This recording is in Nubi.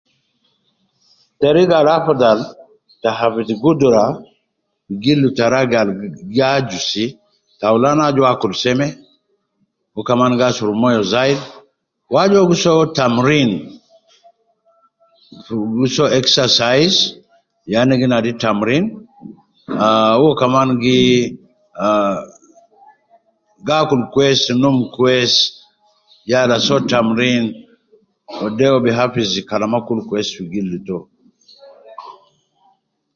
Teriga al afudhal ta hafidhi gudura fi gildu ta ragi al gi ajusi, ta awulan, aju kede uwo akulu seme, u kaman aju kede uwo asurubu moyo zayidi, wu aju kede uwo gi so tamurin, gi so exercise ya gi nadi tamurin. U kaman uwo gi akulu kwesi , num kwrs, yala so tamurin de uwo bi hafidhi kalama kulu kwrsfi gildu to.